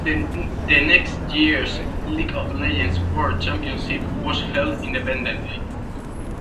The next year's League of Legends World Championship was held independently.